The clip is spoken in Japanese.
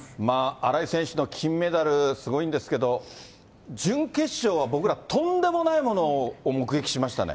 新井選手の金メダル、すごいんですけど、準決勝は僕ら、とんでもないものを目撃しましたね。